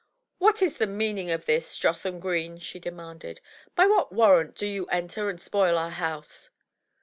What is the meaning of this, Jotham Green?*' she demanded. "By what warrant do you enter and spoil our house?